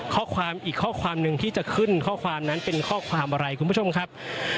ข้อความอีกข้อความหนึ่งที่จะขึ้นข้อความนั้นเป็นข้อความอะไรคุณผู้ชมครับ